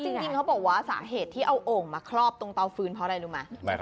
จริงเขาบอกว่าสาเหตุที่เอาโอ่งมาครอบตรงเตาฟื้นเพราะอะไรรู้ไหม